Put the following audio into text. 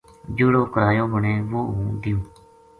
جیہڑو کرایو بنے وہ بے دیوؤں